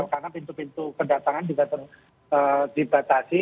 karena pintu pintu kedatangan juga dibatasi